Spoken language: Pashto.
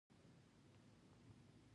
ښه چلند د پلور بنسټ دی.